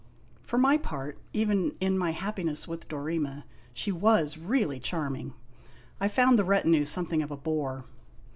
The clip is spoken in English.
For my part, even in my happiness with Dorema, she was really charming! I found the retinue something of a bore.